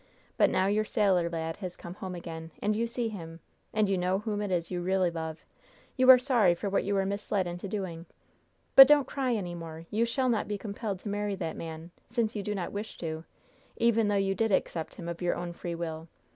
But now your sailor lad has come home again, and you see him, and you know whom it is you really love, you are sorry for what you were misled into doing. But don't cry any more. You shall not be compelled to marry that man, since you do not wish to, even though you did accept him of your own free will!